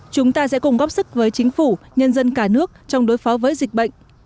chúng ta sẽ cùng góp sức với chính phủ nhân dân cả nước trong đối phó với dịch bệnh